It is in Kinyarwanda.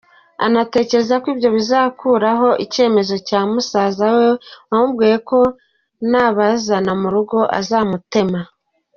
Anatekereza ko ibyo bizakuraho icyemezo cya musaza we wamubwiye ko nabazana mu rugo azamutema.